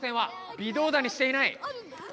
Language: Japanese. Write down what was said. びどうだにしていない。